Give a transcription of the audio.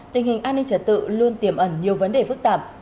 tình hình an ninh trật tự luôn tiềm ẩn nhiều vấn đề phức tạp